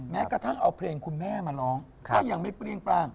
แม้กระทั่งเอาเพลงคุณแม่มาร้องก็ยังไม่เปรี้ยงปร่าง